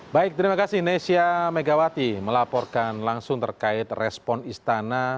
baik terima kasih nesya megawati melaporkan langsung terkait respon istana